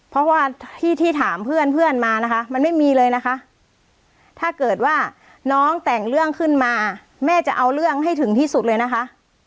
เพราะว่าที่ที่ถามเพื่อนเพื่อนมานะคะมันไม่มีเลยนะคะถ้าเกิดว่าน้องแต่งเรื่องขึ้นมาแม่จะเอาเรื่องให้ถึงที่สุดเลยนะคะ